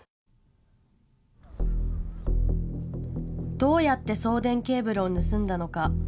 どうやって送電ケーブルを盗んだのか。